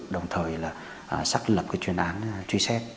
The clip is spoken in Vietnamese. đồng thời là xác lập cái chuyên án truy xét